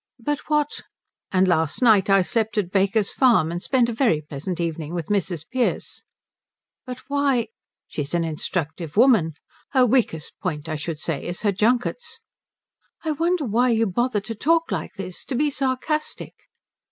"But what " "And last night I slept at Baker's Farm, and spent a very pleasant evening with Mrs. Pearce." "But why " "She's an instructive woman. Her weakest point, I should say, is her junkets." "I wonder why you bother to talk like this to be sarcastic."